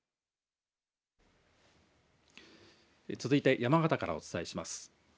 続いて山形からお伝えします。